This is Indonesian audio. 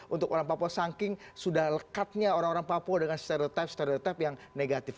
untuk orang papua saking sudah lekatnya orang orang papua dengan stereotip stereotip yang negatif